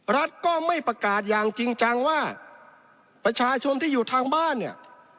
รัฐก็ไม่ประกาศอย่างจริงจังว่าประชาชนที่อยู่ทางบ้านเนี่ย